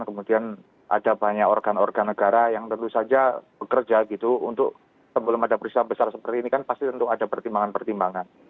kemudian ada banyak organ organ negara yang tentu saja bekerja gitu untuk sebelum ada peristiwa besar seperti ini kan pasti tentu ada pertimbangan pertimbangan